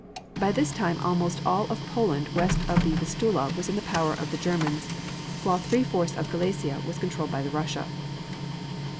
By this time almost all of Poland west of the Vistula was in the power of the Germans, while three fourths of Galicia was controlled by Russia.